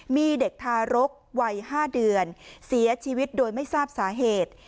มีเด็กทารกวัย๕เดือนเสียชีวิตโดยไม่ทราบสาเหตุ